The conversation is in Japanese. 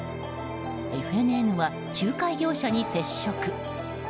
ＦＮＮは仲介業者に接触。